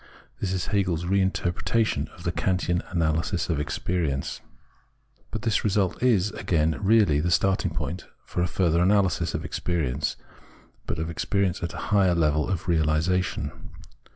This is Hegel's re interpretation of the Kantian analysis of experience. But this result is, again, really the starting point for a further analysis of experience, but of experience at a higher level of realisation.